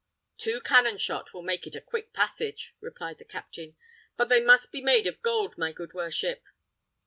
"Two cannon shot will make it a quick passage," replied the captain; "but they must be made of gold, my good worship."